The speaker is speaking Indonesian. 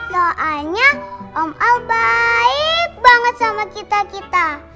soalnya om al baik banget sama kita kita